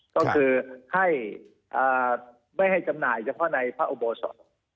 ก็คือให้ไม่ให้จำหน่ายเฉพาะในพระอุโบสถ